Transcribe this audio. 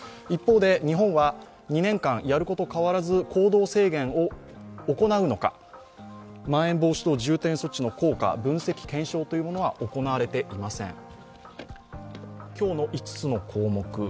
一方で日本は２年間、やること変わらず行動制限を行うのか、まん延防止等重点措置の効果、分析、検証というものは行われていません。